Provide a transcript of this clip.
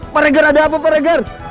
pak regar ada apa pak regar